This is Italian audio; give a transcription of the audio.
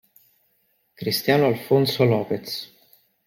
Christian Alfonso López